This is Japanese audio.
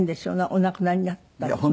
お亡くなりになったんですもんね